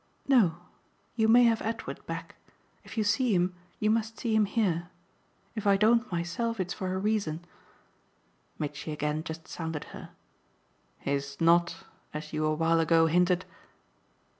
"No you may have Edward back. If you see him you must see him here. If I don't myself it's for a reason." Mitchy again just sounded her. "His not, as you a while ago hinted